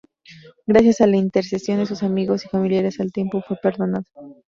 Gracias a la intercesión de sus amigos y familiares al tiempo fue perdonado.